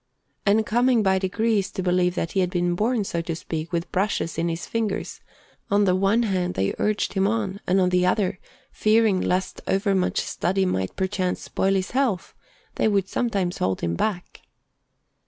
And coming by degrees to believe that he had been born, so to speak, with brushes in his fingers, on the one hand they urged him on, and on the other, fearing lest overmuch study might perchance spoil his health, they would sometimes hold him back.